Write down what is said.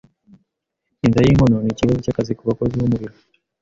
Inda yinkono nikibazo cyakazi kubakozi bo mubiro.